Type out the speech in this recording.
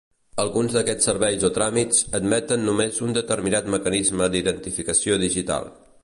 Alguns d'aquests serveis o tràmits admeten només un determinat mecanisme d'identificació digital.